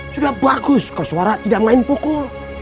sudah bagus kok suara tidak main pukul